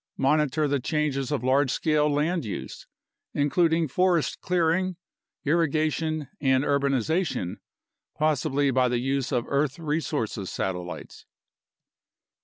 Monitor the changes of large scale land use, including forest clear ing, irrigation, and urbanization, possibly by the use of earth resources satellites.